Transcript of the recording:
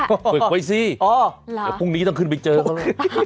ฝึกไว้สิเดี๋ยวพรุ่งนี้ต้องขึ้นไปเจอเขาเลย